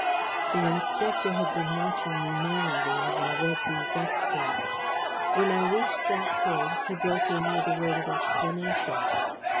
The Inspector had been watching me narrowly as I read these extracts. When I reached that point, he broke in with a word of explanation.